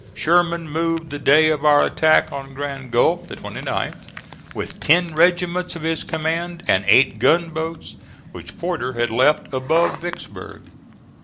Sherman moved the day of our attack on Grand Gulf, the 29th, with ten regiments of his command and eight gunboats which Porter had left above Vicksburg.